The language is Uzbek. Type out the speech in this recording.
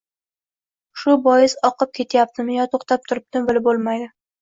Shu bois, oqib ketyaptimi yo to‘xtab turibdimi — bilib bo‘lmadi.